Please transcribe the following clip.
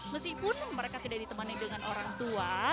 meskipun mereka tidak ditemani dengan orang tua